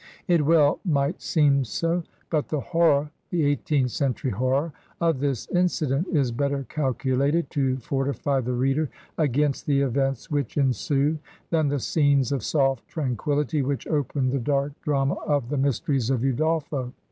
It well might seem so ; but the horror (the eighteenth century horror) of this incident is better calculated to fortify the reader against the events which ensue than the scenes of soft tranquillity which open the dark drama of " The Mysteries of Udolpho.